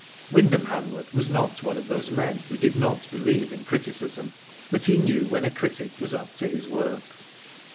Wyndham Hanworth was not one of those men who did not believe in criticism, but he knew when a critic was up to his work.